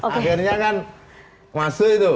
akhirnya kan masuk itu